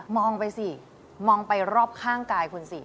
ไปสิมองไปรอบข้างกายคุณสิ